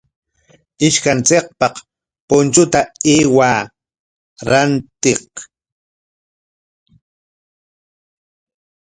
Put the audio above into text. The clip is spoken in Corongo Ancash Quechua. Ishkanchikpaq punchuta aywaa rantiq.